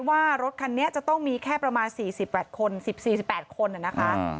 ว่ารถคันนี้จะต้องมีแค่ประมาณ๔๘คนสิบสี่สิบแปดคนเนี่ยนะคะ